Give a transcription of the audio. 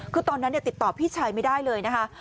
คือตอนนั้นติดต่อพี่ชายไม่ได้เลยนะคะ